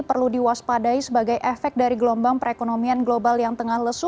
perlu diwaspadai sebagai efek dari gelombang perekonomian global yang tengah lesu